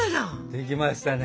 できましたね。